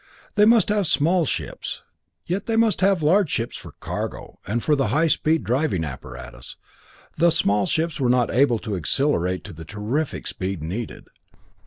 They must have small ships, yet they must have large ships for cargo, and for the high speed driving apparatus. The small ships were not able to accelerate to the terrific speed needed.